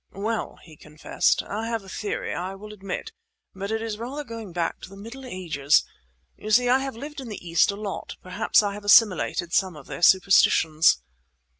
"Well," he confessed, "I have a theory, I will admit; but it is rather going back to the Middle Ages. You see, I have lived in the East a lot; perhaps I have assimilated some of their superstitions."